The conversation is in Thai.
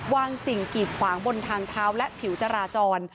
สิ่งกีดขวางบนทางเท้าและผิวจราจร